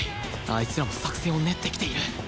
あいつらも作戦を練ってきている